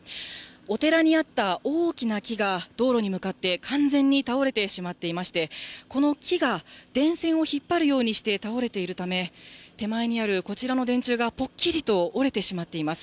お寺にあった大きな木が、道路に向かって完全に倒れてしまっていまして、この木が、電線を引っ張るようにして倒れているため、手前にあるこちらの電柱がぽっきりと折れてしまっています。